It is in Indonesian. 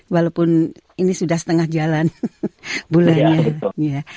walaupun ini sudah setengah jalan bulannya